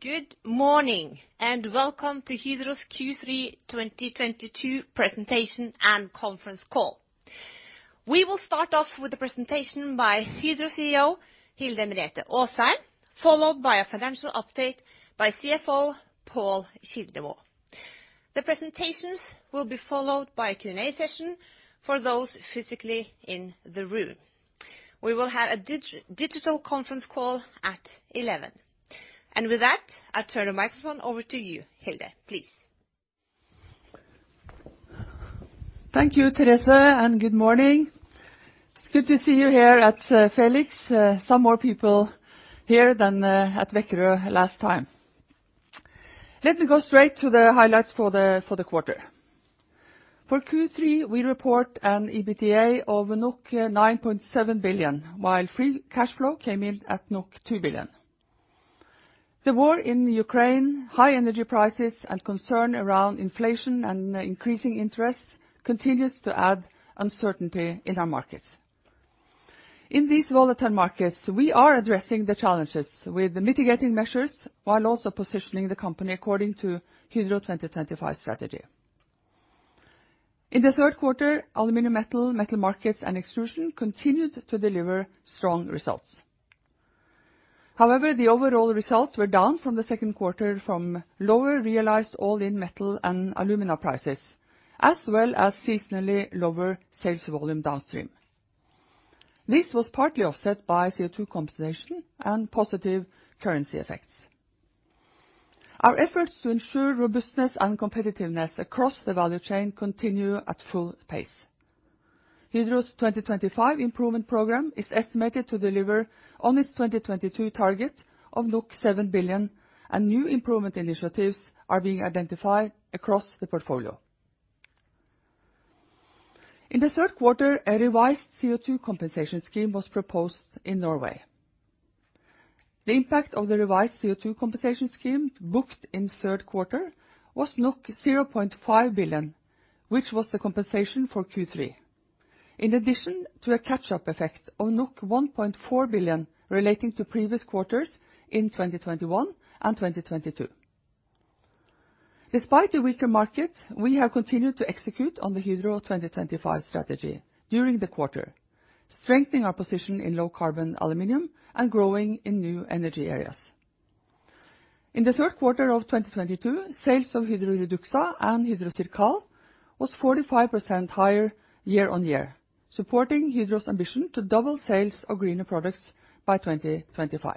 Good morning, and welcome to Hydro's Q3 2022 presentation and conference call. We will start off with the presentation by Hydro CEO, Hilde Merete Aasheim, followed by a financial update by CFO ,Pål Kildemo. ,The presentations will be followed by a Q&A session for those physically in the room. We will have a digital conference call at 11:00 A.M. With that, I turn the microphone over to you, Hilde, please. Thank you, Therese, and good morning. It's good to see you here at Vika. Some more people here than at Vika last time. Let me go straight to the highlights for the quarter. For Q3, we report an EBITDA of 9.7 billion, while free cash flow came in at 2 billion. The war in Ukraine, high energy prices, and concern around inflation and increasing interest continues to add uncertainty in our markets. In these volatile markets, we are addressing the challenges with the mitigating measures while also positioning the company according to Hydro 2025 strategy. In the third quarter, aluminum metal markets, and extrusion continued to deliver strong results. However, the overall results were down from the second quarter from lower realized all-in metal and alumina prices, as well as seasonally lower sales volume downstream. This was partly offset by CO2 compensation and positive currency effects. Our efforts to ensure robustness and competitiveness across the value chain continue at full pace. Hydro's 2025 improvement program is estimated to deliver on its 2022 target of 7 billion and new improvement initiatives are being identified across the portfolio. In the third quarter, a revised CO2 compensation scheme was proposed in Norway. The impact of the revised CO2 compensation scheme booked in the third quarter was 0.5 billion, which was the compensation for Q3 in addition to a catch-up effect of 1.4 billion relating to previous quarters in 2021 and 2022. Despite the weaker markets, we have continued to execute on the Hydro 2025 strategy during the quarter, strengthening our position in low carbon aluminum and growing in new energy areas. In the third quarter of 2022, sales of Hydro REDUXA and Hydro CIRCAL was 45% higher year-on-year, supporting Hydro's ambition to double sales of greener products by 2025.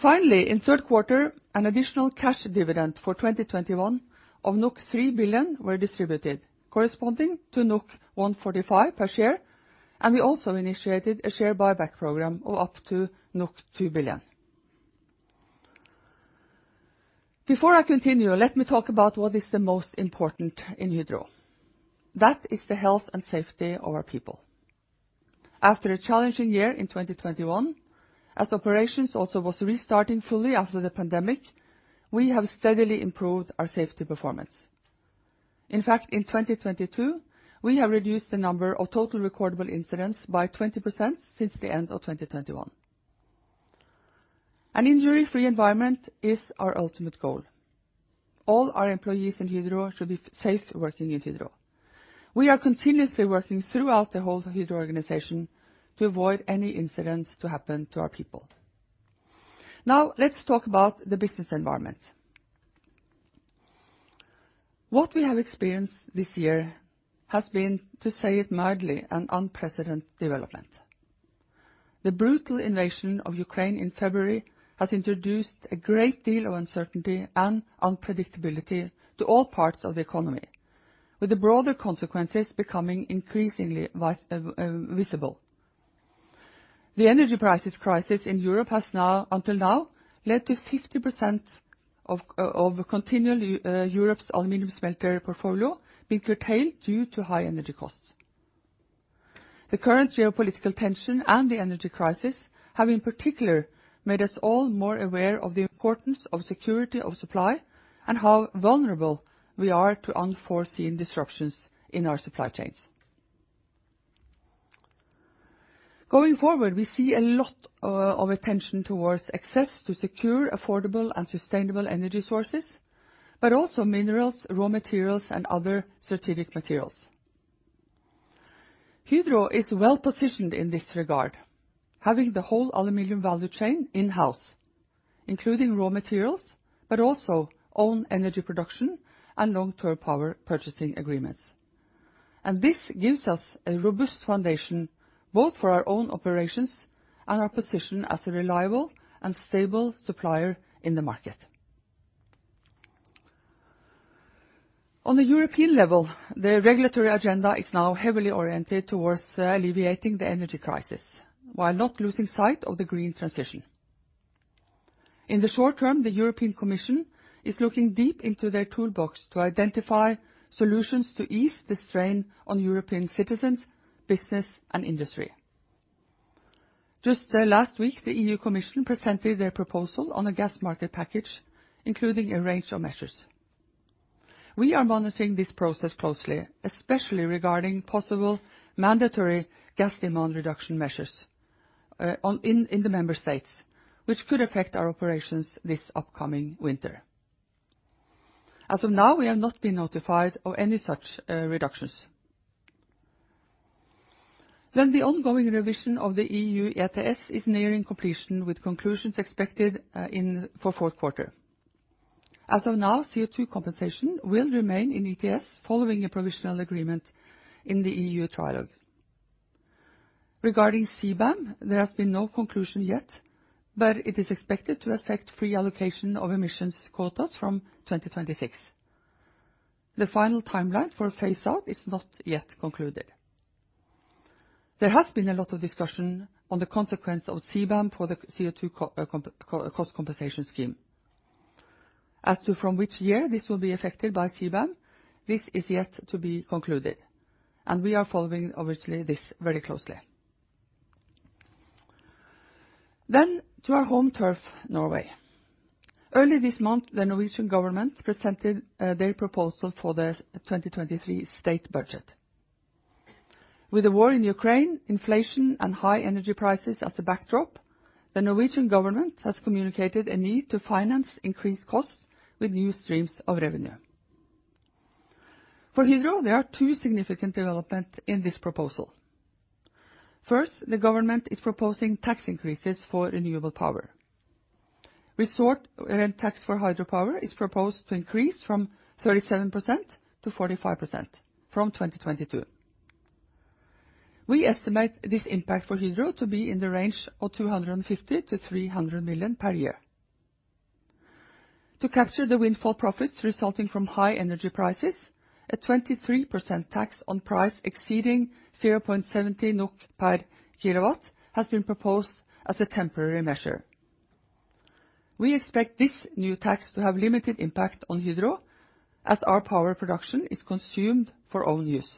Finally, in the third quarter, an additional cash dividend for 2021 of 3 billion were distributed corresponding to 145 per share, and we also initiated a share buyback program of up to 2 billion. Before I continue, let me talk about what is the most important in Hydro. That is the health and safety of our people. After a challenging year in 2021, as operations also was restarting fully after the pandemic, we have steadily improved our safety performance. In fact, in 2022, we have reduced the number of total recordable incidents by 20% since the end of 2021. An injury-free environment is our ultimate goal. All our employees in Hydro should be safe working in Hydro. We are continuously working throughout the whole Hydro organization to avoid any incidents to happen to our people. Now, let's talk about the business environment. What we have experienced this year has been, to say it mildly, an unprecedented development. The brutal invasion of Ukraine in February has introduced a great deal of uncertainty and unpredictability to all parts of the economy, with the broader consequences becoming increasingly visible. The energy prices crisis in Europe has, until now, led to 50% of Europe's aluminum smelter portfolio being curtailed due to high energy costs. The current geopolitical tension and the energy crisis have in particular made us all more aware of the importance of security of supply and how vulnerable we are to unforeseen disruptions in our supply chains. Going forward, we see a lot of attention towards access to secure, affordable, and sustainable energy sources, but also minerals, raw materials, and other strategic materials. Hydro is well-positioned in this regard, having the whole aluminum value chain in-house, including raw materials but also own energy production and long-term power purchasing agreements. This gives us a robust foundation both for our own operations and our position as a reliable and stable supplier in the market. On a European level, the regulatory agenda is now heavily oriented towards alleviating the energy crisis while not losing sight of the green transition. In the short term, the European Commission is looking deep into their toolbox to identify solutions to ease the strain on European citizens, business, and industry. Just last week, the EU Commission presented their proposal on a gas market package, including a range of measures. We are monitoring this process closely, especially regarding possible mandatory gas demand reduction measures in the member states, which could affect our operations this upcoming winter. As of now, we have not been notified of any such reductions. The ongoing revision of the EU ETS is nearing completion with conclusions expected in fourth quarter. As of now, CO2 compensation will remain in ETS following a provisional agreement in the EU trilogues. Regarding CBAM, there has been no conclusion yet, but it is expected to affect free allocation of emissions quotas from 2026. The final timeline for phase out is not yet concluded. There has been a lot of discussion on the consequence of CBAM for the CO2 cost compensation scheme. As to from which year this will be affected by CBAM, this is yet to be concluded, and we are following obviously this very closely. To our home turf, Norway. Early this month, the Norwegian government presented their proposal for the 2023 state budget. With the war in Ukraine, inflation, and high energy prices as a backdrop, the Norwegian government has communicated a need to finance increased costs with new streams of revenue. For Hydro, there are two significant development in this proposal. First, the government is proposing tax increases for renewable power. Resource rent tax for hydropower is proposed to increase from 37% to 45% from 2022. We estimate this impact for Hydro to be in the range of 250-300 million per year. To capture the windfall profits resulting from high energy prices, a 23% tax on price exceeding 0.70 NOK per kilowatt has been proposed as a temporary measure. We expect this new tax to have limited impact on Hydro as our power production is consumed for own use.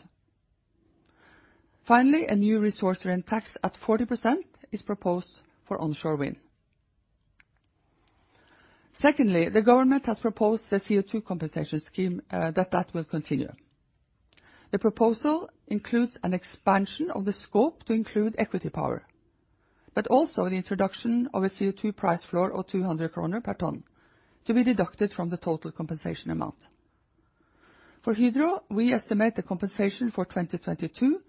Finally, a new resource rent tax at 40% is proposed for onshore wind. Secondly, the government has proposed the CO2 compensation scheme that will continue. The proposal includes an expansion of the scope to include equity power, but also the introduction of a CO2 price floor of 200 kroner per ton to be deducted from the total compensation amount. For Hydro, we estimate the compensation for 2022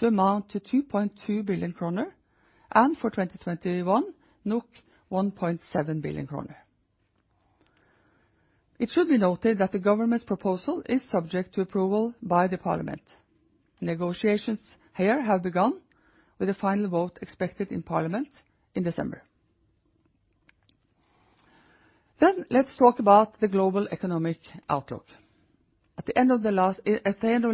to amount to 2.2 billion kroner, and for 2021, 1.7 billion kroner. It should be noted that the government's proposal is subject to approval by the parliament. Negotiations here have begun with a final vote expected in parliament in December. Let's talk about the global economic outlook. At the end of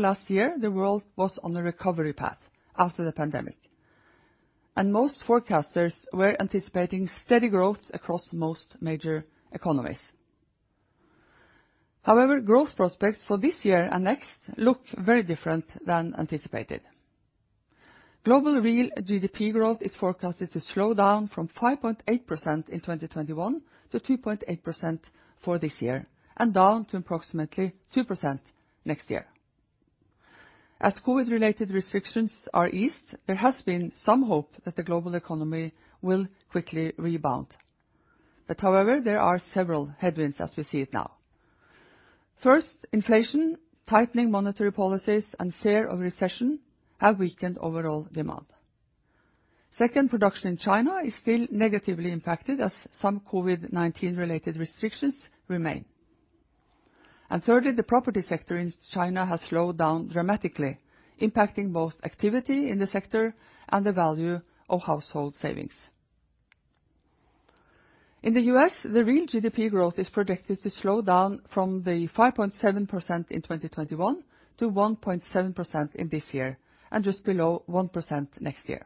last year, the world was on a recovery path after the pandemic, and most forecasters were anticipating steady growth across most major economies. However, growth prospects for this year and next look very different than anticipated. Global real GDP growth is forecasted to slow down from 5.8% in 2021 to 2.8% for this year and down to approximately 2% next year. As COVID-related restrictions are eased, there has been some hope that the global economy will quickly rebound. But however, there are several headwinds as we see it now. First, inflation, tightening monetary policies, and fear of recession have weakened overall demand. Second, production in China is still negatively impacted as some COVID-19 related restrictions remain. Third, the property sector in China has slowed down dramatically, impacting both activity in the sector and the value of household savings. In the US, the real GDP growth is projected to slow down from the 5.7% in 2021 to 1.7% in this year and just below 1% next year.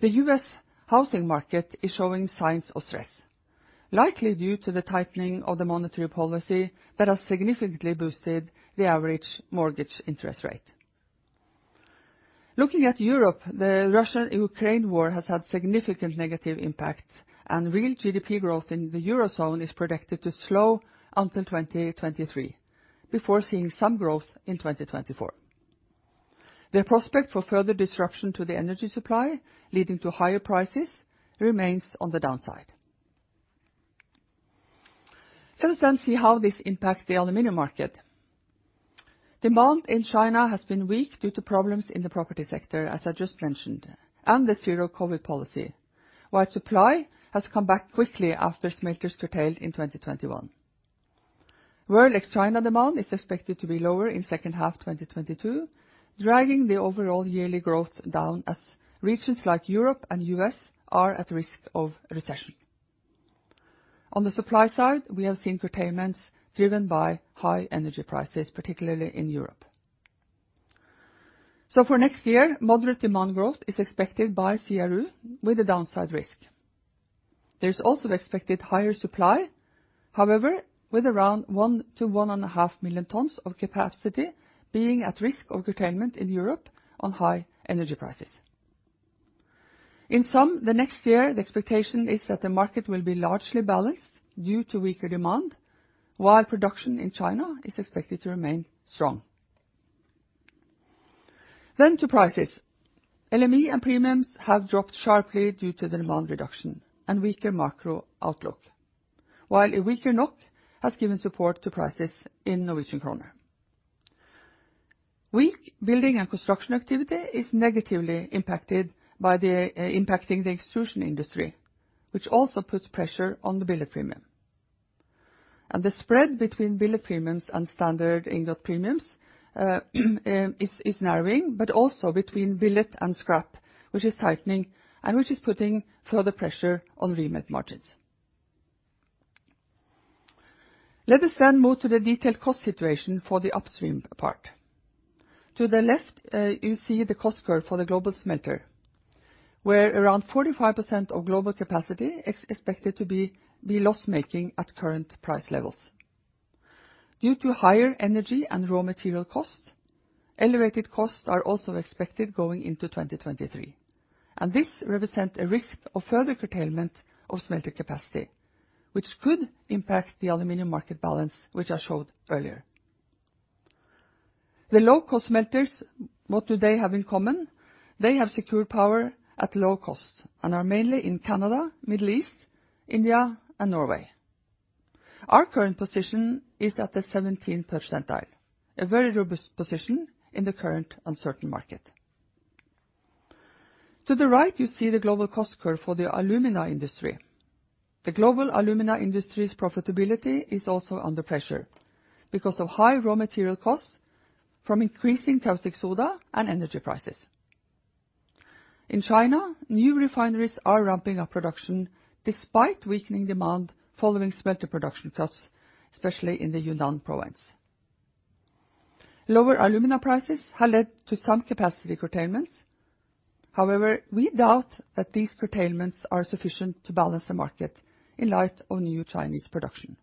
The U.S.. Housing market is showing signs of stress, likely due to the tightening of the monetary policy that has significantly boosted the average mortgage interest rate. Looking at Europe, the Russia-Ukraine war has had significant negative impacts, and real GDP growth in the Eurozone is predicted to slow until 2023 before seeing some growth in 2024. The prospect for further disruption to the energy supply, leading to higher prices, remains on the downside. Let us then see how this impacts the aluminum market. Demand in China has been weak due to problems in the property sector, as I just mentioned, and the Zero-COVID policy, while supply has come back quickly after smelters curtailed in 2021. World ex China demand is expected to be lower in second half 2022, dragging the overall yearly growth down as regions like Europe and U.S. are at risk of recession. On the supply side, we have seen curtailments driven by high energy prices, particularly in Europe. For next year, moderate demand growth is expected by CRU with a downside risk. There's also expected higher supply, however, with around 1-1.5 million tons of capacity being at risk of curtailment in Europe on high energy prices. In sum, the next year, the expectation is that the market will be largely balanced due to weaker demand, while production in China is expected to remain strong. To prices. LME and premiums have dropped sharply due to the demand reduction and weaker macro outlook, while a weaker NOK has given support to prices in Norwegian krone. Weak building and construction activity is negatively impacting the extrusion industry, which also puts pressure on the billet premium. The spread between billet premiums and standard ingot premiums is narrowing, but also between billet and scrap, which is tightening and which is putting further pressure on remelt margins. Let us move to the detailed cost situation for the upstream part. To the left, you see the cost curve for the global smelter, where around 45% of global capacity expected to be loss-making at current price levels. Due to higher energy and raw material costs, elevated costs are also expected going into 2023, and this represent a risk of further curtailment of smelter capacity, which could impact the aluminum market balance, which I showed earlier. The low-cost smelters, what do they have in common? They have secure power at low cost and are mainly in Canada, Middle East, India, and Norway. Our current position is at the 17th percentile, a very robust position in the current uncertain market. To the right, you see the global cost curve for the alumina industry. The global alumina industry's profitability is also under pressure because of high raw material costs from increasing caustic soda and energy prices. In China, new refineries are ramping up production despite weakening demand following smelter production cuts, especially in the Yunnan province. Lower alumina prices have led to some capacity curtailments. However, we doubt that these curtailments are sufficient to balance the market in light of new Chinese production.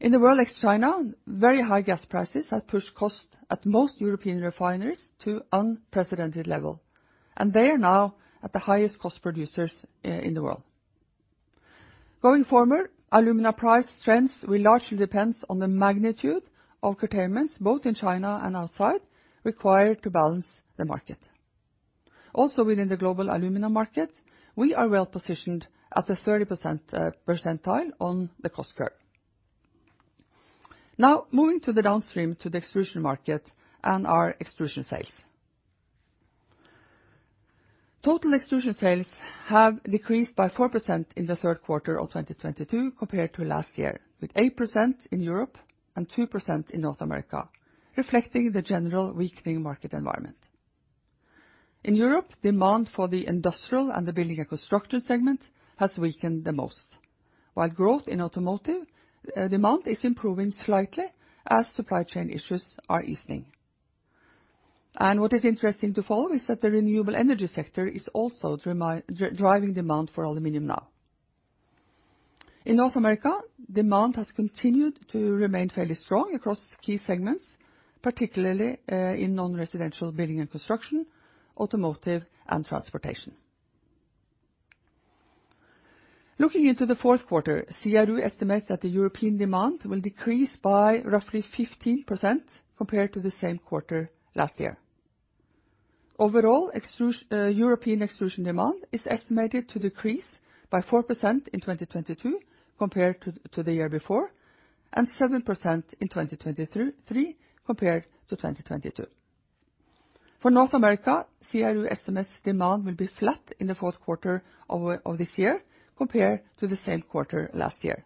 In the world ex-China, very high gas prices have pushed costs at most European refineries to unprecedented levels, and they are now at the highest-cost producers in the world. Going forward, alumina price trends will largely depend on the magnitude of curtailments, both in China and outside, required to balance the market. Also within the global alumina market, we are well positioned at the 30th percentile on the cost curve. Now moving to the downstream to the extrusion market and our extrusion sales. Total extrusion sales have decreased by 4% in the third quarter of 2022 compared to last year, with 8% in Europe and 2% in North America, reflecting the general weakening market environment. In Europe, demand for the industrial and the building and construction segment has weakened the most. While growth in automotive demand is improving slightly as supply chain issues are easing. What is interesting to follow is that the renewable energy sector is also driving demand for aluminum now. In North America, demand has continued to remain fairly strong across key segments, particularly in non-residential building and construction, automotive, and transportation. Looking into the fourth quarter, CRU estimates that the European demand will decrease by roughly 15% compared to the same quarter last year. Overall, European extrusion demand is estimated to decrease by 4% in 2022 compared to the year before, and 7% in 2023 compared to 2022. For North America, CRU estimates demand will be flat in the fourth quarter of this year compared to the same quarter last year.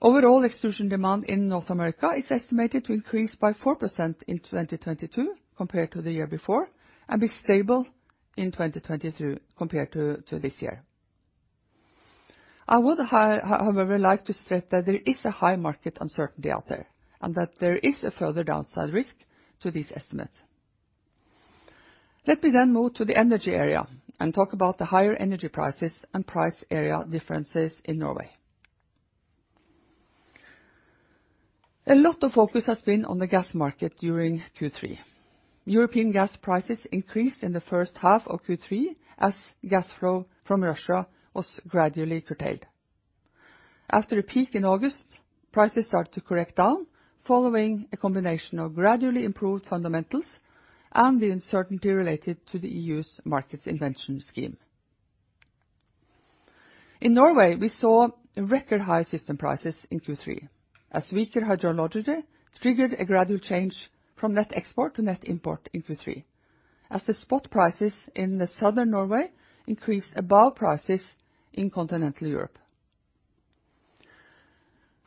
Overall extrusion demand in North America is estimated to increase by 4% in 2022 compared to the year before, and be stable in 2022 compared to this year. I would however, like to state that there is a high market uncertainty out there, and that there is a further downside risk to these estimates. Let me move to the energy area and talk about the higher energy prices and price area differences in Norway. A lot of focus has been on the gas market during Q3. European gas prices increased in the first half of Q3 as gas flow from Russia was gradually curtailed. After a peak in August, prices started to correct down following a combination of gradually improved fundamentals and the uncertainty related to the EU's market intervention scheme. In Norway, we saw record high system prices in Q3 as weaker hydrology triggered a gradual change from net export to net import in Q3 as the spot prices in southern Norway increased above prices in Continental Europe.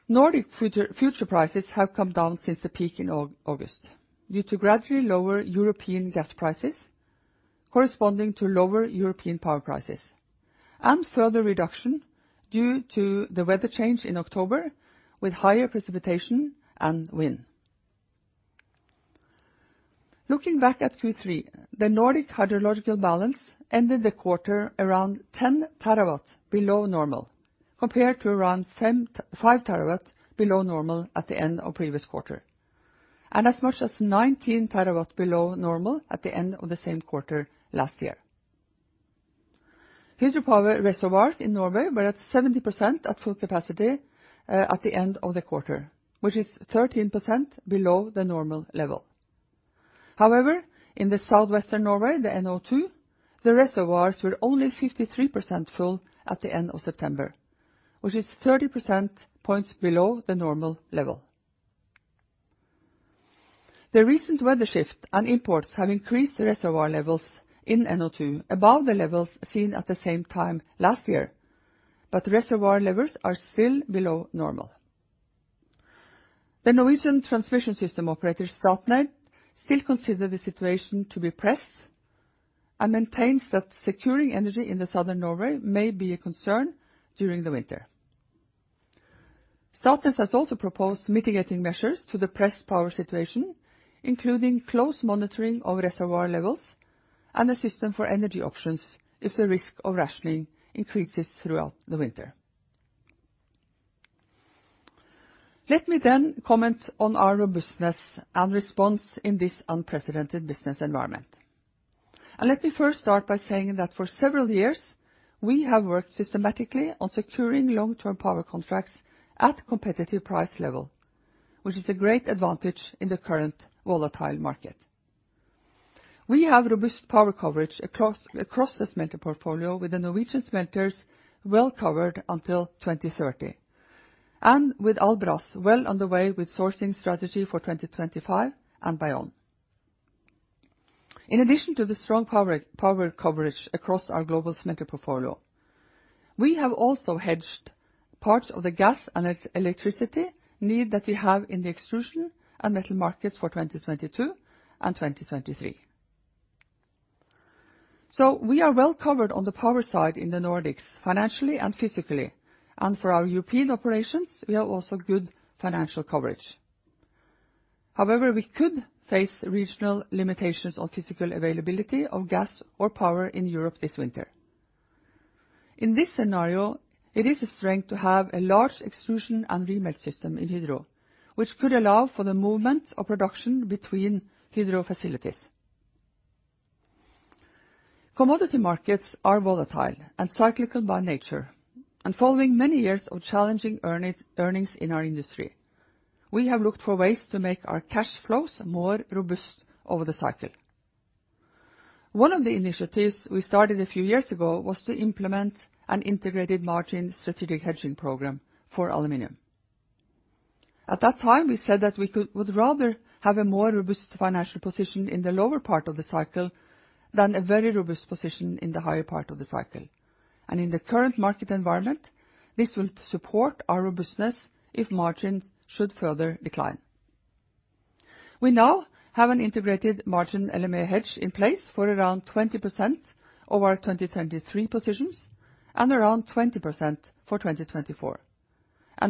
Nordic future prices have come down since the peak in August due to gradually lower European gas prices corresponding to lower European power prices, and further reduction due to the weather change in October with higher precipitation and wind. Looking back at Q3, the Nordic hydrological balance ended the quarter around 10 terawatts below normal, compared to around 75 terawatts below normal at the end of previous quarter, and as much as 19 terawatts below normal at the end of the same quarter last year. Hydropower reservoirs in Norway were at 70% of full capacity at the end of the quarter, which is 13% below the normal level. However, in Southwestern Norway, the NO2, the reservoirs were only 53% full at the end of September, which is 30 percentage points below the normal level. The recent weather shift and imports have increased the reservoir levels in NO2 above the levels seen at the same time last year, but the reservoir levels are still below normal. The Norwegian transmission system operator, Statnett, still consider the situation to be pressed and maintains that securing energy in the southern Norway may be a concern during the winter. Statnett has also proposed mitigating measures to the pressed power situation, including close monitoring of reservoir levels and a system for energy options if the risk of rationing increases throughout the winter. Let me comment on our robustness and response in this unprecedented business environment. Let me first start by saying that for several years, we have worked systematically on securing long-term power contracts at competitive price level, which is a great advantage in the current volatile market. We have robust power coverage across the smelter portfolio with the Norwegian smelters well-covered until 2030, and with Albras well on the way with sourcing strategy for 2025 and beyond. In addition to the strong power coverage across our global smelter portfolio, we have also hedged parts of the gas and its electricity need that we have in the extrusion and metal markets for 2022 and 2023. We are well covered on the power side in the Nordics, financially and physically. For our European operations, we have also good financial coverage. However, we could face regional limitations on physical availability of gas or power in Europe this winter. In this scenario, it is a strength to have a large extrusion and remelt system in Hydro, which could allow for the movement of production between Hydro facilities. Commodity markets are volatile and cyclical by nature. Following many years of challenging earnings in our industry, we have looked for ways to make our cash flows more robust over the cycle. One of the initiatives we started a few years ago was to implement an integrated margin strategic hedging program for aluminum. At that time, we said that we would rather have a more robust financial position in the lower part of the cycle than a very robust position in the higher part of the cycle. In the current market environment, this will support our robustness if margins should further decline. We now have an integrated margin LME hedge in place for around 20% of our 2023 positions and around 20% for 2024.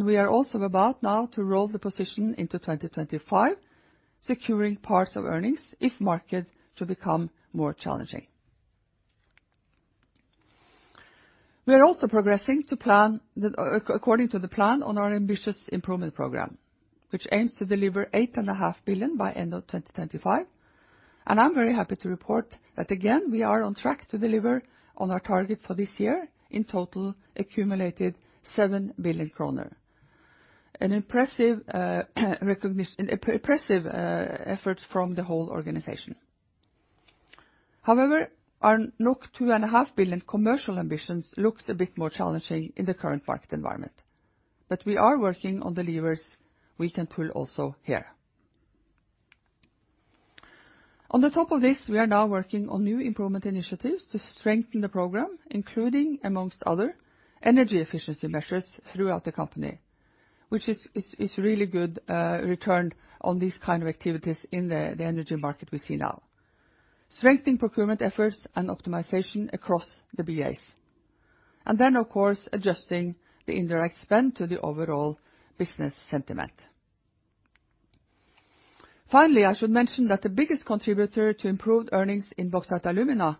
We are also about now to roll the position into 2025, securing parts of earnings if markets should become more challenging. We are also progressing according to the plan on our ambitious improvement program, which aims to deliver 8.5 billion by end of 2025. I'm very happy to report that, again, we are on track to deliver on our target for this year in total accumulated 7 billion kroner. An impressive effort from the whole organization. However, our 2.5 billion commercial ambitions looks a bit more challenging in the current market environment. We are working on the levers we can pull also here. On top of this, we are now working on new improvement initiatives to strengthen the program, including, among other, energy efficiency measures throughout the company, which is really good return on these kind of activities in the energy market we see now. Strengthening procurement efforts and optimization across the BAs. Of course, adjusting the indirect spend to the overall business sentiment. Finally, I should mention that the biggest contributor to improved earnings in Bauxite & Alumina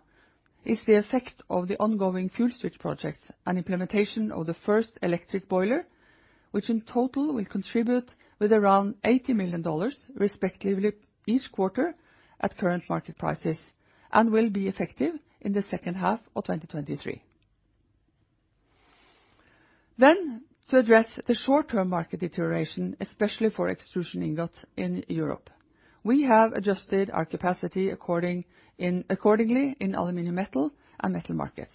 is the effect of the ongoing fuel switch projects and implementation of the first electric boiler, which in total will contribute with around $80 million, respectively, each quarter at current market prices and will be effective in the second half of 2023. To address the short-term market deterioration, especially for extrusion ingots in Europe. We have adjusted our capacity accordingly in aluminum metal and metal markets.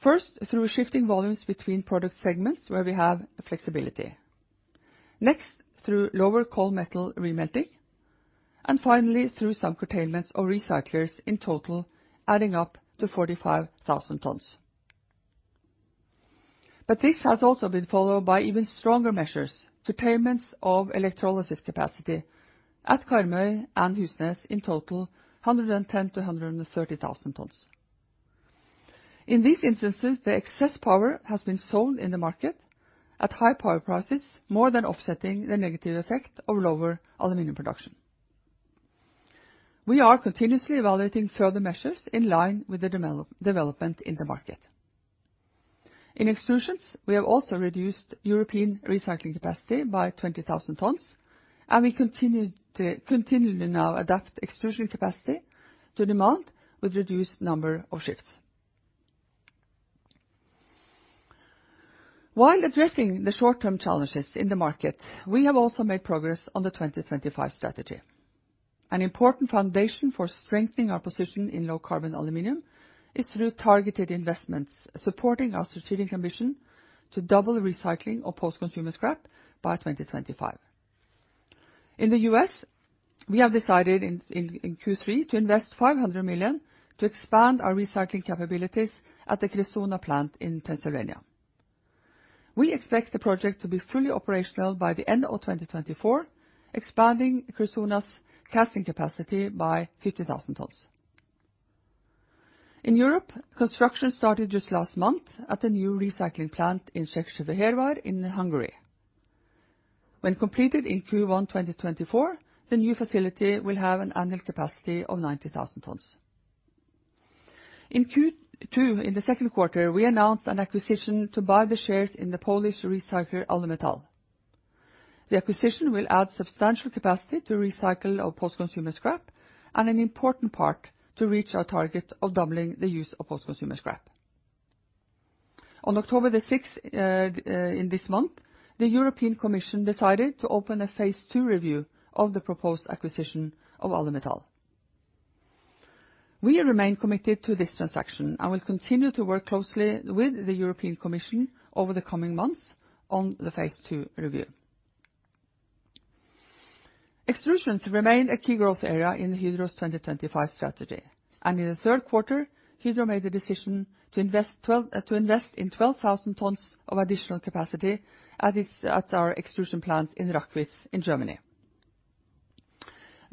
First, through shifting volumes between product segments where we have flexibility. Next, through lower cold metal remelting. Finally, through some curtailments of recyclers in total, adding up to 45,000 tons. This has also been followed by even stronger measures, curtailments of electrolysis capacity at Karmøy and Husnes, in total, 110-130,000 tons. In these instances, the excess power has been sold in the market at high power prices, more than offsetting the negative effect of lower aluminum production. We are continuously evaluating further measures in line with the development in the market. In extrusions, we have also reduced European recycling capacity by 20,000 tons, and we continue to continually now adapt extrusion capacity to demand with reduced number of shifts. While addressing the short-term challenges in the market, we have also made progress on the 2025 strategy. An important foundation for strengthening our position in low carbon aluminum is through targeted investments, supporting our strategic ambition to double the recycling of post-consumer scrap by 2025. In the U.S.., we have decided in Q3 to invest 500 million to expand our recycling capabilities at the Cressona plant in Pennsylvania. We expect the project to be fully operational by the end of 2024, expanding Cressona's casting capacity by 50,000 tons. In Europe, construction started just last month at the new recycling plant in Székesfehérvár in Hungary. When completed in Q1 2024, the new facility will have an annual capacity of 90,000 tons. In Q2, in the second quarter, we announced an acquisition to buy the shares in the Polish recycler Alumetal. The acquisition will add substantial capacity to recycle our post-consumer scrap and an important part to reach our target of doubling the use of post-consumer scrap. On October the 6th in this month, the European Commission decided to open a phase two review of the proposed acquisition of Alumetal. We remain committed to this transaction and will continue to work closely with the European Commission over the coming months on the phase two review. Extrusions remained a key growth area in Hydro's 2025 strategy, and in the third quarter, Hydro made the decision to invest in 12,000 tons of additional capacity at our extrusion plant in Rackwitz in Germany.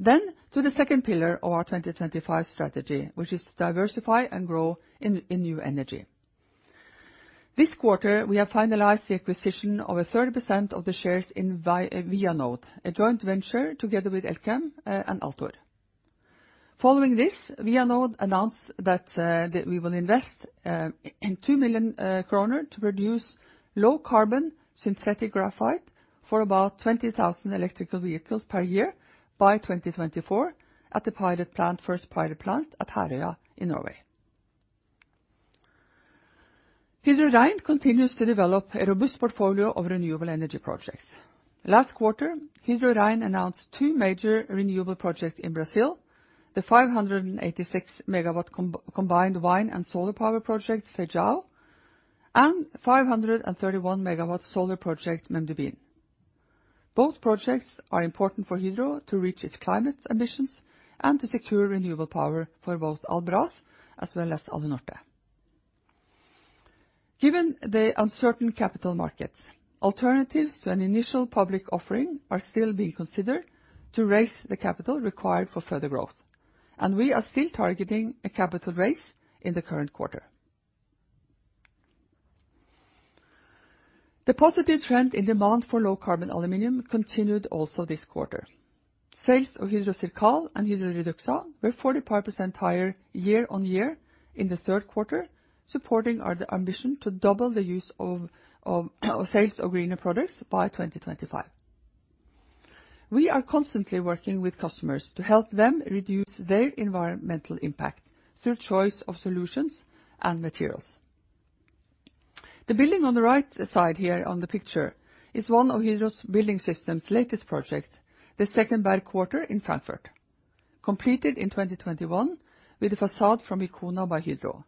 To the second pillar of our 2025 strategy, which is to diversify and grow in new energy. This quarter, we have finalized the acquisition of 30% of the shares in Vianode, a joint venture together with Elkem and Altor. Following this, Vianode announced that we will invest in 2 million kroner to produce low carbon synthetic graphite for about 20,000 electrical vehicles per year by 2024 at the pilot plant, first pilot plant at Herøya in Norway. Hydro Rein continues to develop a robust portfolio of renewable energy projects. Last quarter, Hydro Rein announced two major renewable projects in Brazil, the 586 MW combined wind and solar power project, Feijão, and 531 MW solar project, Mendubim. Both projects are important for Hydro to reach its climate ambitions and to secure renewable power for both Albras as well as Alunorte. Given the uncertain capital markets, alternatives to an initial public offering are still being considered to raise the capital required for further growth, and we are still targeting a capital raise in the current quarter. The positive trend in demand for low-carbon aluminum continued also this quarter. Sales of Hydro CIRCAL and Hydro REDUXA were 45% higher year-on-year in the third quarter, supporting the ambition to double the use of sales of greener products by 2025. We are constantly working with customers to help them reduce their environmental impact through choice of solutions and materials. The building on the right side here on the picture is one of Hydro's building system's latest projects, the Zweites Bergquartier in Frankfurt. Completed in 2021 with a facade from Wicona by Hydro.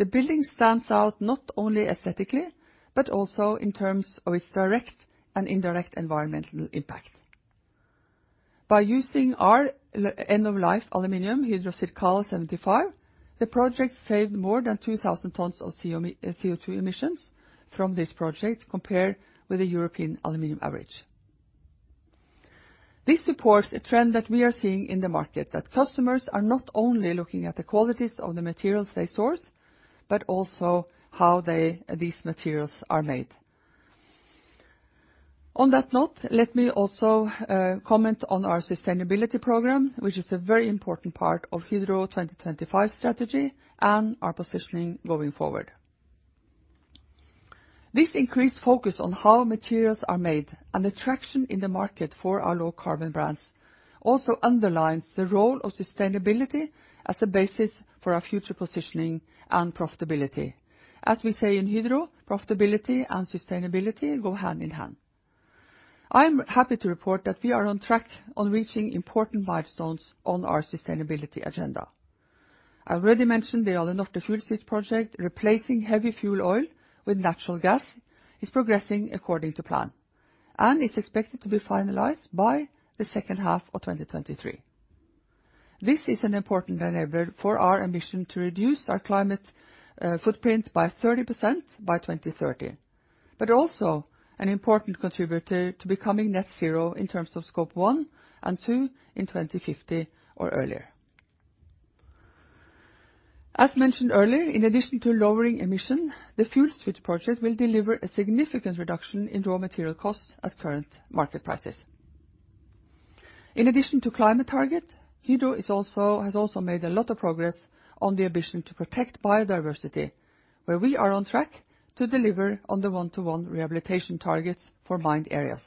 The building stands out not only aesthetically, but also in terms of its direct and indirect environmental impact. By using our end-of-life aluminum, Hydro CIRCAL 75, the project saved more than 2,000 tons of CO₂ emissions from this project compared with the European aluminum average. This supports a trend that we are seeing in the market, that customers are not only looking at the qualities of the materials they source, but also how these materials are made. On that note, let me also comment on our sustainability program, which is a very important part of Hydro 2025 strategy and our positioning going forward. This increased focus on how materials are made and the traction in the market for our low carbon brands also underlines the role of sustainability as a basis for our future positioning and profitability. As we say in Hydro, profitability and sustainability go hand in hand. I'm happy to report that we are on track on reaching important milestones on our sustainability agenda. I already mentioned the Alunorte fuel switch project. Replacing heavy fuel oil with natural gas is progressing according to plan and is expected to be finalized by the second half of 2023. This is an important enabler for our ambition to reduce our climate footprint by 30% by 2030. Also an important contributor to becoming net zero in terms of Scope 1 and 2 in 2050 or earlier. As mentioned earlier, in addition to lowering emission, the fuel switch project will deliver a significant reduction in raw material costs at current market prices. In addition to climate targets, Hydro has also made a lot of progress on the ambition to protect biodiversity, where we are on track to deliver on the one-to-one rehabilitation targets for mined areas.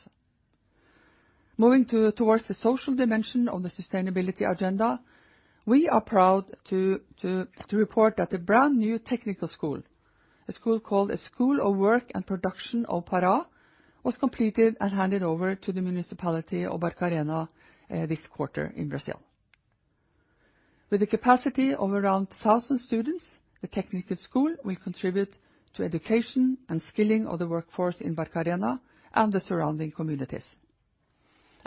Moving towards the social dimension of the sustainability agenda, we are proud to report that the brand new technical school, a school called A School of Work and Production of Pará, was completed and handed over to the municipality of Barcarena this quarter in Brazil. With a capacity of around 1,000 students, the technical school will contribute to education and skilling of the workforce in Barcarena and the surrounding communities.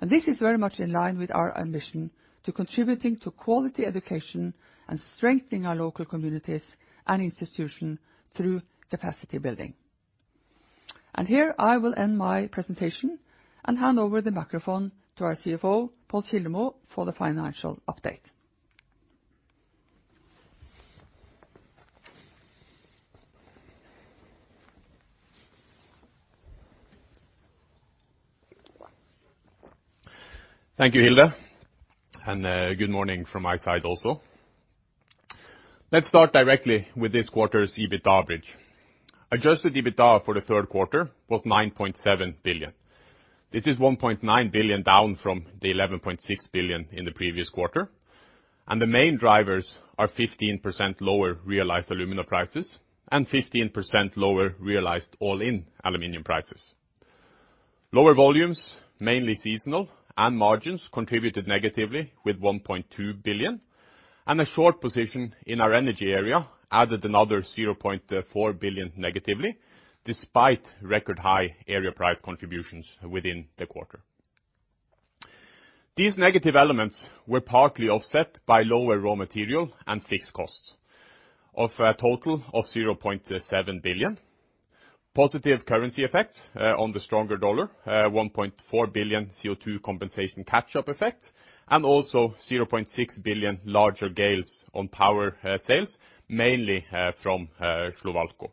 This is very much in line with our ambition to contributing to quality education and strengthening our local communities and institution through capacity building. Here I will end my presentation and hand over the microphone to our CFO, Pål Kildemo, for the financial update. Thank you, Hilde, and good morning from my side also. Let's start directly with this quarter's EBITDA bridge. Adjusted EBITDA for the third quarter was 9.7 billion. This is 1.9 billion down from the 11.6 billion in the previous quarter. The main drivers are 15% lower realized alumina prices, and 15% lower realized all-in aluminum prices. Lower volumes, mainly seasonal, and margins contributed negatively with 1.2 billion, and a short position in our energy area added another 0.4 billion negatively, despite record high area price contributions within the quarter. These negative elements were partly offset by lower raw material and fixed costs of a total of 0.7 billion. Positive currency effects on the stronger dollar, 1.4 billion CO2 compensation catch-up effects, and also 0.6 billion larger gains on power sales, mainly from Slovalco.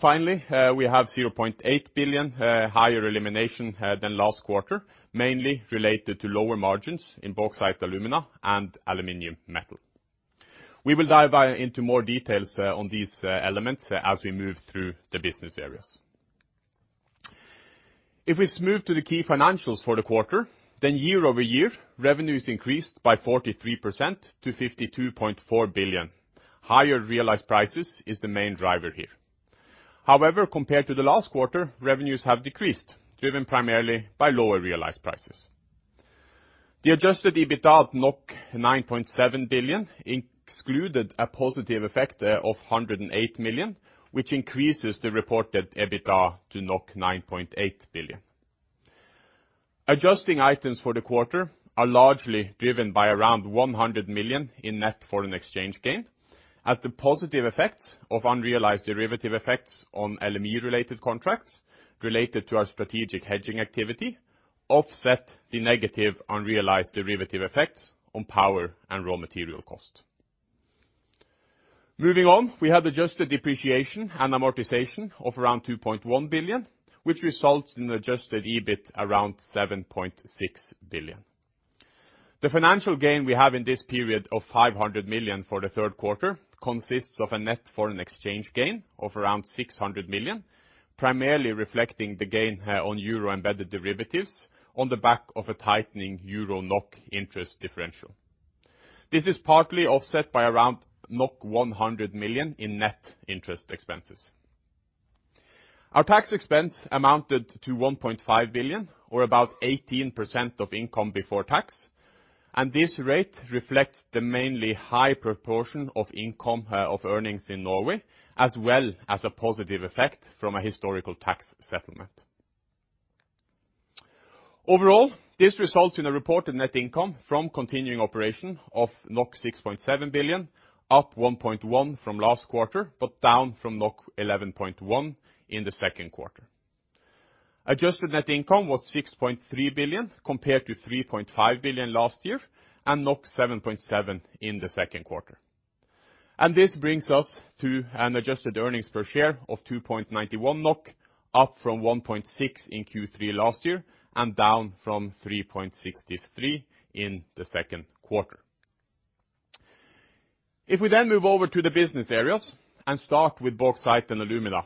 Finally, we have 0.8 billion higher elimination than last quarter, mainly related to lower margins in bauxite, alumina and aluminum metal. We will dive into more details on these elements as we move through the business areas. If we move to the key financials for the quarter, year-over-year revenues increased by 43% to 52.4 billion. Higher realized prices is the main driver here. However, compared to the last quarter, revenues have decreased, driven primarily by lower realized prices. The adjusted EBITDA at 9.7 billion excluded a positive effect of 108 million, which increases the reported EBITDA to 9.8 billion. Adjusting items for the quarter are largely driven by around 100 million in net foreign exchange gain, as the positive effects of unrealized derivative effects on LME related contracts related to our strategic hedging activity offset the negative unrealized derivative effects on power and raw material cost. Moving on, we have adjusted depreciation and amortization of around 2.1 billion, which results in adjusted EBIT around 7.6 billion. The financial gain we have in this period of 500 million for the third quarter consists of a net foreign exchange gain of around 600 million, primarily reflecting the gain on euro embedded derivatives on the back of a tightening EUR/NOK interest differential. This is partly offset by around 100 million in net interest expenses. Our tax expense amounted to 1.5 billion or about 18% of income before tax. This rate reflects the mainly high proportion of income, of earnings in Norway, as well as a positive effect from a historical tax settlement. Overall, this results in a reported net income from continuing operation of 6.7 billion, up 1.1 billion from last quarter, but down from 11.1 billion in the second quarter. Adjusted net income was 6.3 billion, compared to 3.5 billion last year and 7.7 billion in the second quarter. This brings us to an adjusted earnings per share of 2.91 NOK, up from 1.6 in Q3 last year and down from 3.63 in the second quarter. If we then move over to the business areas and start with Bauxite and Alumina,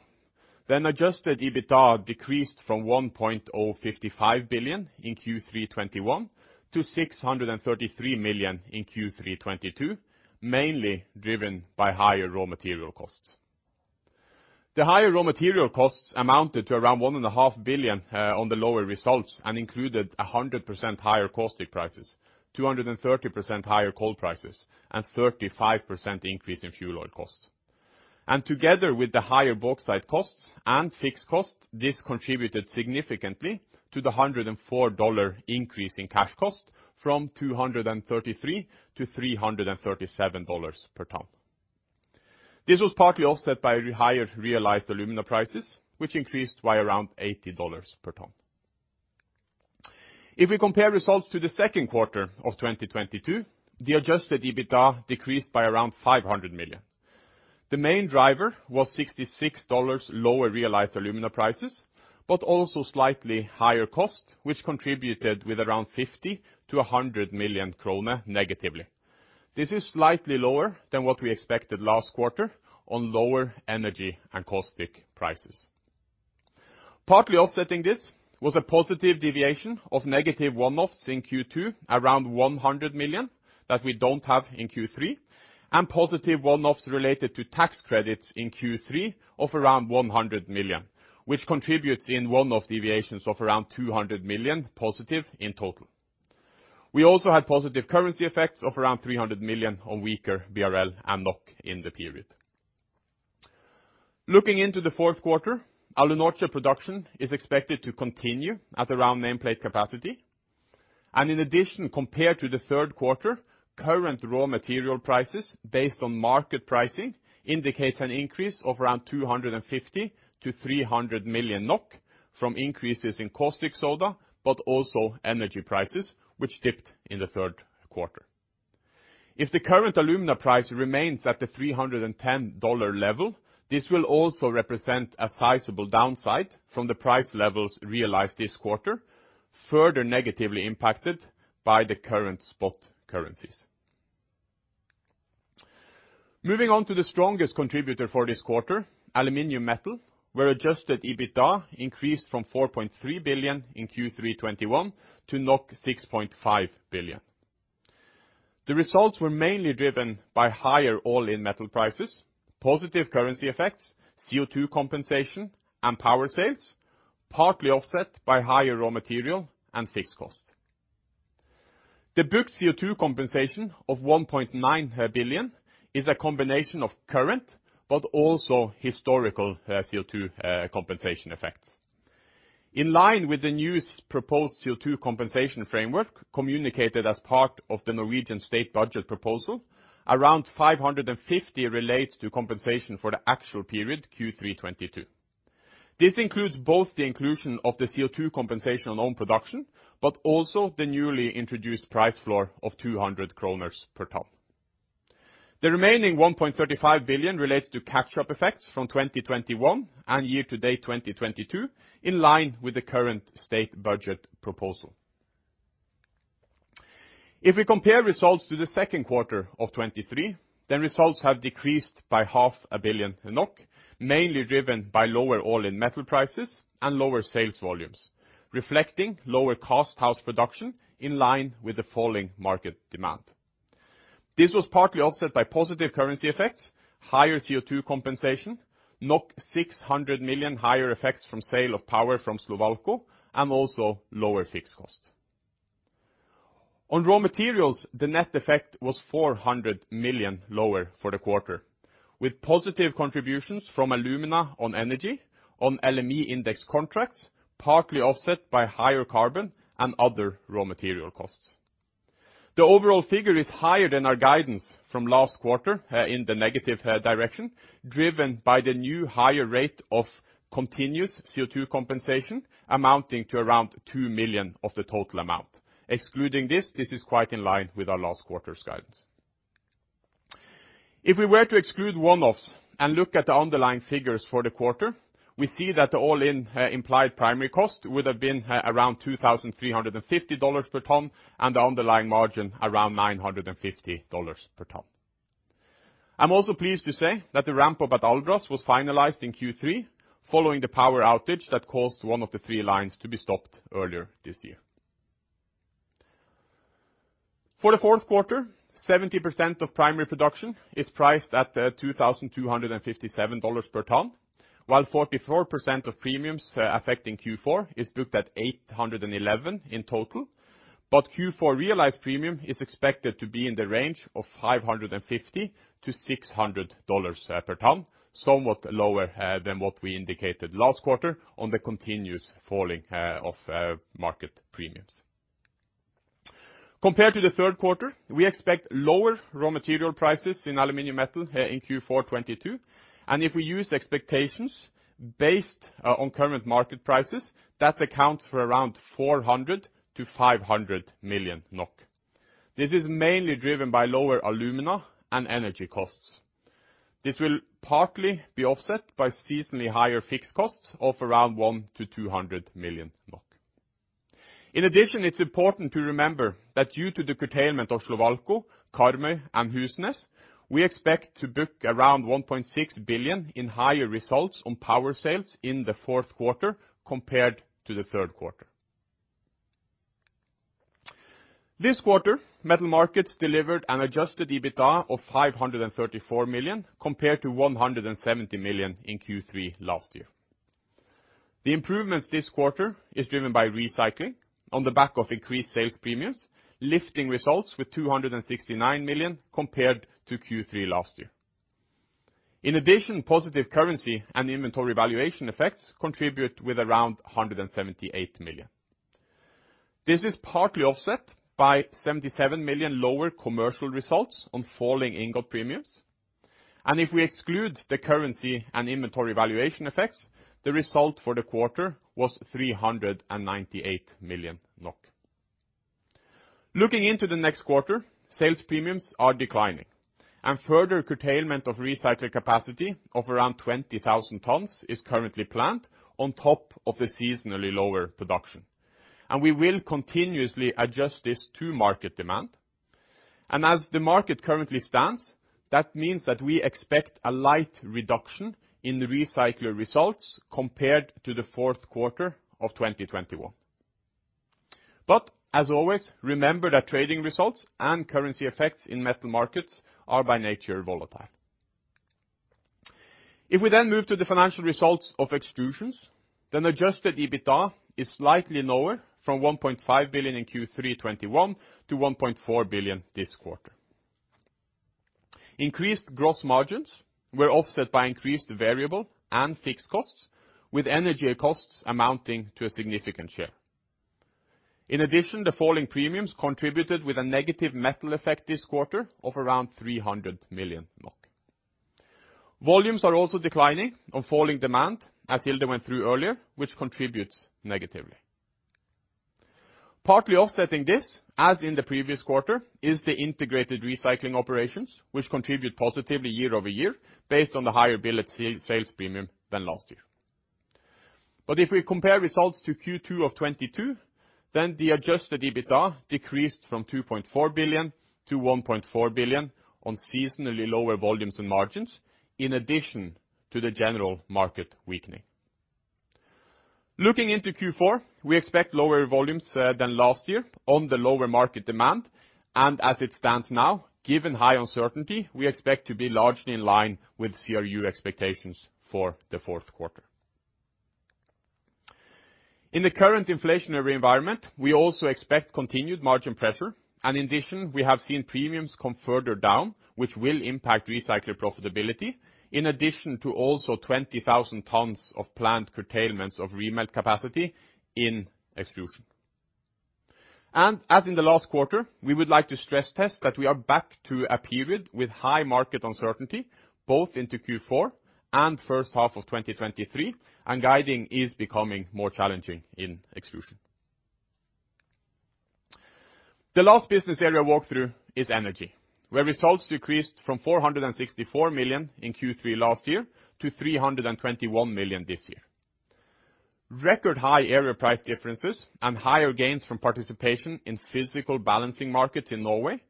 adjusted EBITDA decreased from 1.05 billion in Q3 2021 to 633 million in Q3 2022, mainly driven by higher raw material costs. The higher raw material costs amounted to around 1.5 billion on the lower results, and included 100% higher caustic prices, 230% higher coal prices, and 35% increase in fuel oil costs. Together with the higher bauxite costs and fixed costs, this contributed significantly to the $104 increase in cash costs from $233 to $337 per ton. This was partly offset by higher realized alumina prices, which increased by around $80 per ton. If we compare results to the second quarter of 2022, the adjusted EBITDA decreased by around 500 million. The main driver was $66 lower realized alumina prices, but also slightly higher costs, which contributed with around 50 million to 100 million kroner negatively. This is slightly lower than what we expected last quarter on lower energy and caustic prices. Partly offsetting this was a positive deviation of negative one-offs in Q2, around 100 million that we don't have in Q3, and positive one-offs related to tax credits in Q3 of around 100 million, which contributes in one-off deviations of around 200 million positive in total. We also had positive currency effects of around 300 million on weaker BRL and NOK in the period. Looking into the fourth quarter, Alunorte production is expected to continue at around nameplate capacity. In addition, compared to the third quarter, current raw material prices based on market pricing indicates an increase of around 250-300 million NOK from increases in caustic soda, but also energy prices, which dipped in the third quarter. If the current alumina price remains at the $310 level, this will also represent a sizable downside from the price levels realized this quarter, further negatively impacted by the current spot currencies. Moving on to the strongest contributor for this quarter, aluminum metal, where adjusted EBITDA increased from 4.3 billion in Q3 2021 to 6.5 billion. The results were mainly driven by higher all-in metal prices, positive currency effects, CO2 compensation, and power sales, partly offset by higher raw material and fixed costs. The booked CO2 compensation of 1.9 billion is a combination of current, but also historical, CO2 compensation effects. In line with the new proposed CO2 compensation framework communicated as part of the Norwegian state budget proposal, around 550 million relates to compensation for the actual period Q3 2022. This includes both the inclusion of the CO2 compensation on own production, but also the newly introduced price floor of 200 kroner per ton. The remaining 1.35 billion relates to catch-up effects from 2021 and year-to-date 2022, in line with the current state budget proposal. If we compare results to the second quarter of 2023, results have decreased by half a billion NOK, mainly driven by lower all-in metal prices and lower sales volumes, reflecting lower casthouse production in line with the falling market demand. This was partly offset by positive currency effects, higher CO2 compensation, 600 million higher effects from sale of power from Slovalco, and also lower fixed cost. On raw materials, the net effect was 400 million lower for the quarter, with positive contributions from alumina on energy on LME index contracts, partly offset by higher carbon and other raw material costs. The overall figure is higher than our guidance from last quarter, in the negative direction, driven by the new higher rate of continuous CO2 compensation amounting to around 2 million of the total amount. Excluding this is quite in line with our last quarter's guidance. If we were to exclude one-offs and look at the underlying figures for the quarter, we see that the all-in implied primary cost would have been around $2,350 per ton, and the underlying margin around $950 per ton. I'm also pleased to say that the ramp-up at Albras was finalized in Q3, following the power outage that caused one of the three lines to be stopped earlier this year. For the fourth quarter, 70% of primary production is priced at $2,257 per ton, while 44% of premiums affecting Q4 is booked at $811 in total. Q4 realized premium is expected to be in the range of $550-$600 per ton, somewhat lower than what we indicated last quarter on the continuous falling of market premiums. Compared to the third quarter, we expect lower raw material prices in aluminum metal in Q4 2022. If we use expectations based on current market prices, that accounts for around 400-500 million NOK. This is mainly driven by lower alumina and energy costs. This will partly be offset by seasonally higher fixed costs of around 100-200 million NOK. In addition, it's important to remember that due to the curtailment of Slovalco, Karmøy, and Husnes, we expect to book around 1.6 billion in higher results on power sales in the fourth quarter compared to the third quarter. This quarter, metal markets delivered an adjusted EBITDA of 534 million, compared to 170 million in Q3 last year. The improvements this quarter is driven by recycling on the back of increased sales premiums, lifting results with 269 million compared to Q3 last year. In addition, positive currency and inventory valuation effects contribute with around 178 million. This is partly offset by 77 million lower commercial results on falling ingot premiums. If we exclude the currency and inventory valuation effects, the result for the quarter was 398 million NOK. Looking into the next quarter, sales premiums are declining, and further curtailment of recycler capacity of around 20,000 tons is currently planned on top of the seasonally lower production. We will continuously adjust this to market demand. As the market currently stands, that means that we expect a light reduction in the recycler results compared to the fourth quarter of 2021. As always, remember that trading results and currency effects in metal markets are by nature volatile. If we then move to the financial results of Extrusions, adjusted EBITDA is slightly lower from 1.5 billion in Q3 2021 to 1.4 billion this quarter. Increased gross margins were offset by increased variable and fixed costs, with energy costs amounting to a significant share. In addition, the falling premiums contributed with a negative metal effect this quarter of around 300 million NOK. Volumes are also declining on falling demand, as Hilde went through earlier, which contributes negatively. Partly offsetting this, as in the previous quarter, is the integrated recycling operations, which contribute positively year-over-year based on the higher billet sales premium than last year. If we compare results to Q2 of 2022, then the adjusted EBITDA decreased from 2.4 billion to 1.4 billion on seasonally lower volumes and margins, in addition to the general market weakening. Looking into Q4, we expect lower volumes than last year on the lower market demand. As it stands now, given high uncertainty, we expect to be largely in line with CRU expectations for the fourth quarter. In the current inflationary environment, we also expect continued margin pressure, and in addition, we have seen premiums come further down, which will impact recycler profitability, in addition to also 20,000 tons of planned curtailments of remelt capacity in extrusion. As in the last quarter, we would like to stress test that we are back to a period with high market uncertainty, both into Q4 and first half of 2023, and guiding is becoming more challenging in extrusion. The last business area walkthrough is energy, where results decreased from 464 million in Q3 last year to 321 million this year. Record high area price differences and higher gains from participation in physical balancing markets in Norway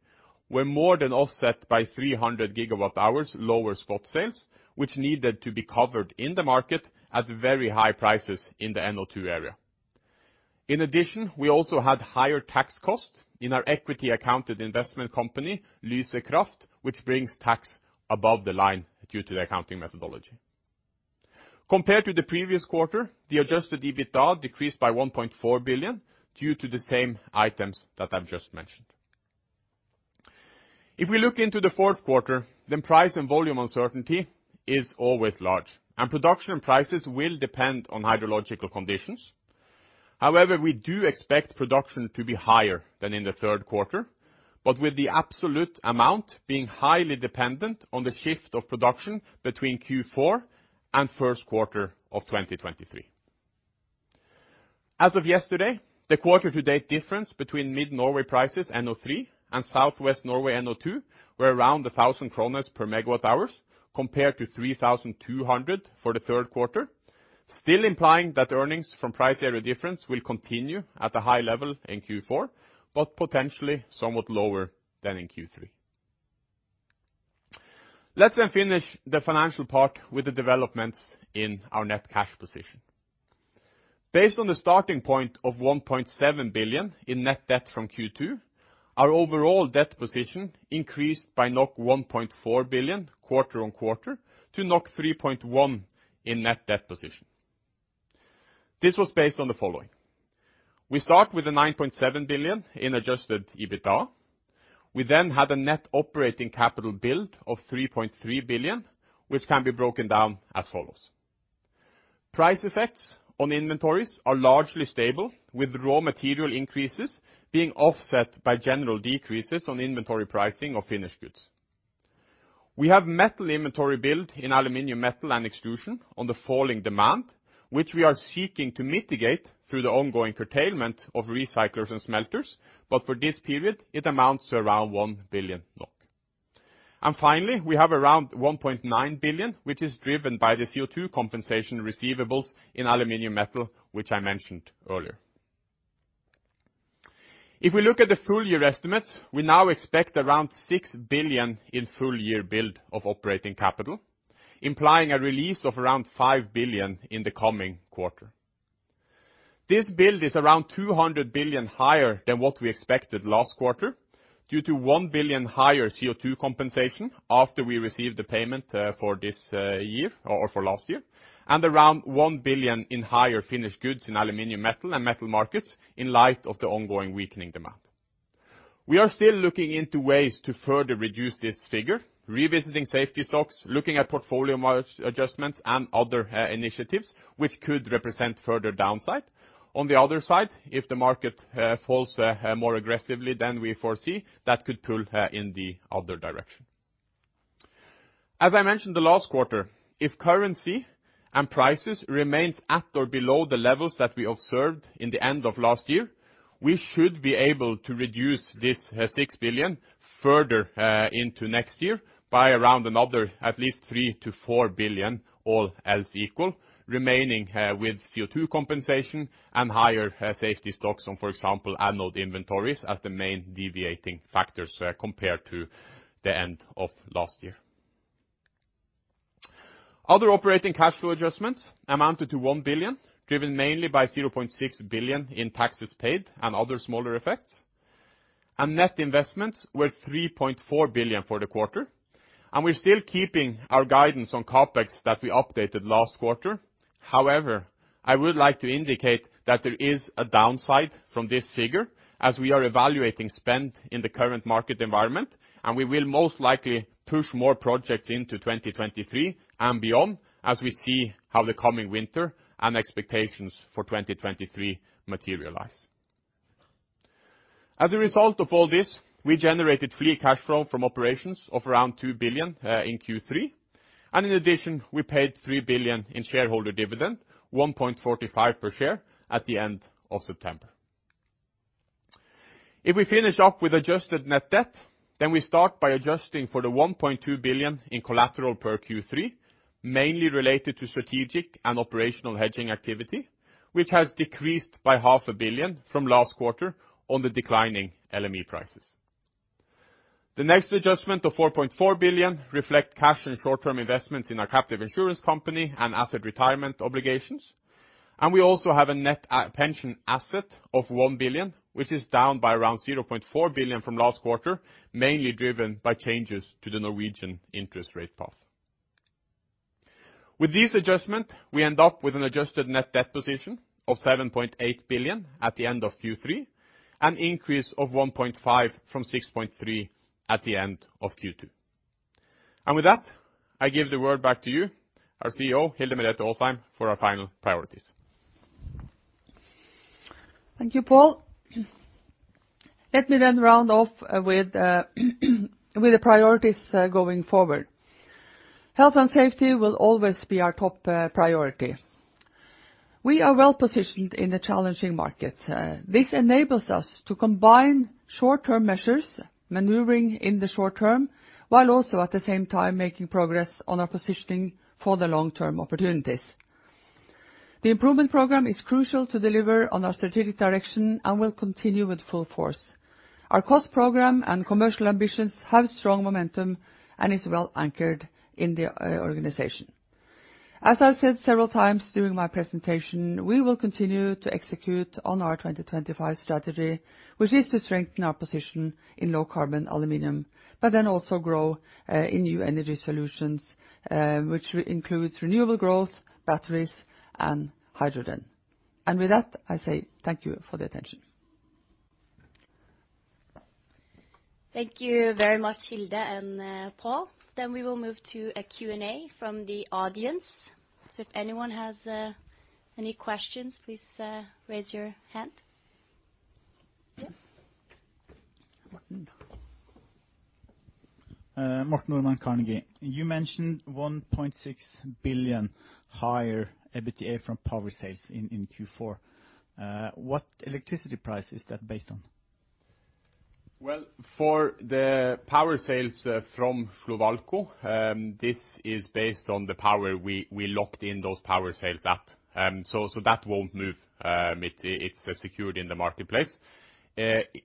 were more than offset by 300 GWh lower spot sales, which needed to be covered in the market at very high prices in the NO2 area. In addition, we also had higher tax costs in our equity accounted investment company, Lyse Kraft DA, which brings tax above the line due to the accounting methodology. Compared to the previous quarter, the adjusted EBITDA decreased by 1.4 billion due to the same items that I've just mentioned. If we look into the fourth quarter, then price and volume uncertainty is always large, and production prices will depend on hydrological conditions. However, we do expect production to be higher than in the third quarter, but with the absolute amount being highly dependent on the shift of production between Q4 and first quarter of 2023. As of yesterday, the quarter to date difference between mid Norway prices, NO3, and southwest Norway, NO2, were around 1,000 kroner per megawatt-hour compared to 3,200 for the third quarter, still implying that earnings from price area difference will continue at a high level in Q4, but potentially somewhat lower than in Q3. Let's then finish the financial part with the developments in our net cash position. Based on the starting point of 1.7 billion in net debt from Q2, our overall debt position increased by 1.4 billion quarter on quarter to 3.1 billion in net debt position. This was based on the following. We start with 9.7 billion in adjusted EBITDA. We then had a net operating capital build of 3.3 billion, which can be broken down as follows. Price effects on inventories are largely stable, with raw material increases being offset by general decreases on inventory pricing of finished goods. We have metal inventory build in aluminum metal and extrusion on the falling demand, which we are seeking to mitigate through the ongoing curtailment of recyclers and smelters, but for this period, it amounts to around 1 billion NOK. Finally, we have around 1.9 billion, which is driven by the CO2 compensation receivables in aluminum metal, which I mentioned earlier. If we look at the full year estimates, we now expect around 6 billion in full year build of operating capital, implying a release of around 5 billion in the coming quarter. This build is around 200 billion higher than what we expected last quarter due to 1 billion higher CO2 compensation after we received the payment for this year, or for last year, and around 1 billion in higher finished goods in aluminum metal and metal markets in light of the ongoing weakening demand. We are still looking into ways to further reduce this figure, revisiting safety stocks, looking at portfolio adjustments and other initiatives which could represent further downside. On the other side, if the market falls more aggressively than we foresee, that could pull in the other direction. As I mentioned the last quarter, if currency and prices remains at or below the levels that we observed in the end of last year, we should be able to reduce this 6 billion further into next year by around another at least 3 billion-4 billion all else equal, remaining with CO2 compensation and higher safety stocks on, for example, anode inventories as the main deviating factors compared to the end of last year. Other operating cash flow adjustments amounted to 1 billion, driven mainly by 0.6 billion in taxes paid and other smaller effects. Net investments were 3.4 billion for the quarter. We're still keeping our guidance on CapEx that we updated last quarter. However, I would like to indicate that there is a downside from this figure, as we are evaluating spend in the current market environment, and we will most likely push more projects into 2023 and beyond as we see how the coming winter and expectations for 2023 materialize. As a result of all this, we generated free cash flow from operations of around 2 billion in Q3. In addition, we paid 3 billion in shareholder dividend, 1.45 per share at the end of September. If we finish up with adjusted net debt, then we start by adjusting for the 1.2 billion in collateral per Q3, mainly related to strategic and operational hedging activity, which has decreased by NOK half a billion from last quarter on the declining LME prices. The next adjustment of 4.4 billion reflect cash and short-term investments in our captive insurance company and asset retirement obligations. We also have a net pension asset of 1 billion, which is down by around 0.4 billion from last quarter, mainly driven by changes to the Norwegian interest rate path. With this adjustment, we end up with an adjusted net debt position of 7.8 billion at the end of Q3, an increase of 1.5 from 6.3 at the end of Q2. With that, I give the word back to you, our CEO, Hilde Merete Aasheim, for our final priorities. Thank you, Pål. Let me round off with the priorities going forward. Health and safety will always be our top priority. We are well positioned in a challenging market. This enables us to combine short-term measures, maneuvering in the short term, while also at the same time making progress on our positioning for the long-term opportunities. The improvement program is crucial to deliver on our strategic direction and will continue with full force. Our cost program and commercial ambitions have strong momentum and is well anchored in the organization. As I've said several times during my presentation, we will continue to execute on our 2025 strategy, which is to strengthen our position in low carbon aluminum, but then also grow in new energy solutions, which includes renewable growth, batteries, and hydrogen. With that, I say thank you for the attention. Thank you very much, Hilde and Pål. We will move to a Q&A from the audience. If anyone has any questions, please raise your hand. Yes. Morten Nordby, Carnegie. You mentioned 1.6 billion higher EBITDA from power sales in Q4. What electricity price is that based on? Well, for the power sales from Slovalco, this is based on the power we locked in those power sales at. So that won't move. It's secured in the marketplace.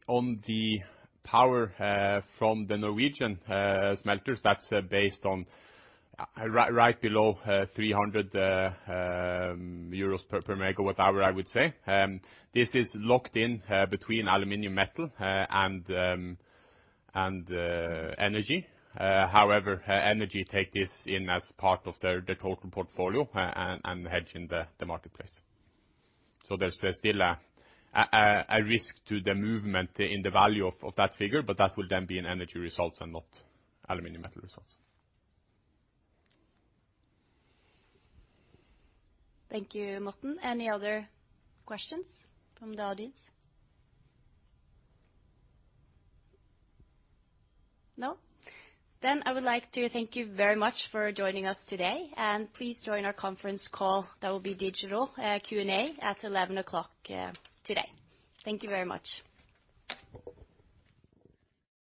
On the power from the Norwegian smelters, that's based on right below 300 euros per megawatt hour, I would say. This is locked in between aluminum metal and energy. However, energy take this in as part of their the total portfolio and hedge in the marketplace. There's still a risk to the movement in the value of that figure, but that will then be in energy results and not aluminum metal results. Thank you, Morten. Any other questions from the audience? No? I would like to thank you very much for joining us today, and please join our conference call. That will be digital Q&A at 11:00 A.M. today. Thank you very much.